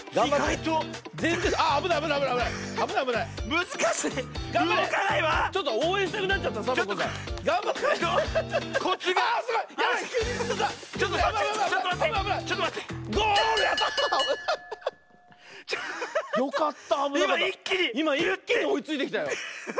いまいっきにおいついてきたよ。